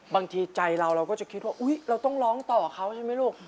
บางทีใจเราเราก็จะคิดว่าอุ๊ยเราต้องร้องต่อเขาใช่ไหมลูก